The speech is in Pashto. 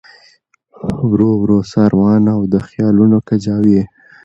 ورو ورو ساروانه او د خیالونو کجاوې